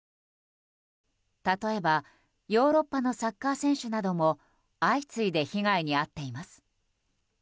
例えばヨーロッパのサッカー選手なども相次いで被害に遭っています。